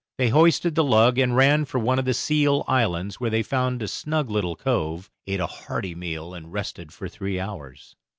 They hoisted the lug and ran for one of the Seal Islands, where they found a snug little cove, ate a hearty meal, and rested for three hours.